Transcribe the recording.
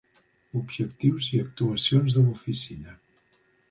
Objectius i actuacions de l'Oficina.